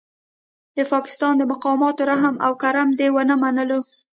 د پاکستان د مقاماتو رحم او کرم دې ونه منلو.